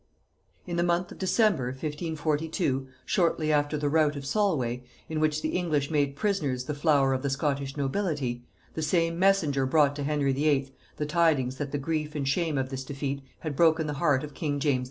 In the month of December 1542, shortly after the rout of Solway, in which the English made prisoners the flower of the Scottish nobility, the same messenger brought to Henry VIII. the tidings that the grief and shame of this defeat had broken the heart of king James V.